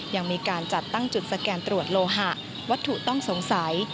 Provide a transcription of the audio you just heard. ยังมีการจัดตั้งจุดสแกนตรวจโลหะวัตถุต้องสงสัย